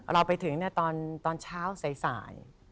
เราไปถึงตอนเช้าสาย